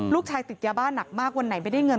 ลูกชายติดยาบ้านหนักมากวันไหนไม่ได้เงิน